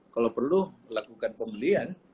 kalau perlu lakukan pembelian